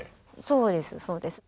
そうですそうです。